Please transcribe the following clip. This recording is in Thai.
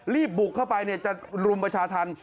บุกเข้าไปจะรุมประชาธรรม